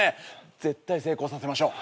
絶対成功させましょう。